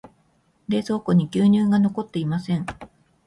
冷蔵庫に牛乳が残っていません。